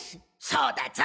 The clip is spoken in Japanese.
そうだぞ！